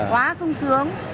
quá sung sướng